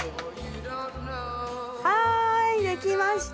はいできました！